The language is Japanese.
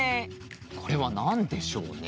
これはなんでしょうね。